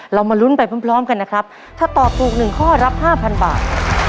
เรามาลุ้นไปพร้อมกันนะครับถ้าตอบถูกหนึ่งข้อรับ๕๐๐บาท